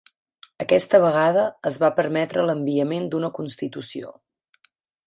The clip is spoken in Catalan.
Aquesta vegada, es va permetre l'enviament d'una constitució.